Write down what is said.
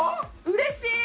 うれしい！